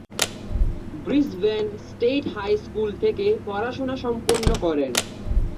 Brisbane State High School থেকে পড়াশোনা সম্পন্ন করেন।